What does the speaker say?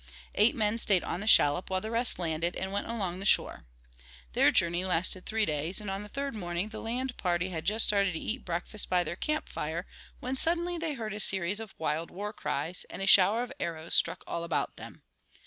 Eight men stayed on the shallop while the rest landed and went along the shore. Their journey lasted three days, and on the third morning the land party had just started to eat breakfast by their camp fire when suddenly they heard a series of wild war cries, and a shower of arrows struck all about them.